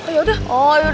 itu ada mr sergi tuh